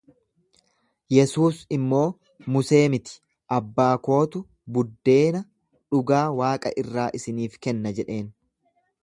Yesuus immoo, Musee miti, abbaa kootu buddeena dhugaa waaqa irraa isiniif kenna jedheen.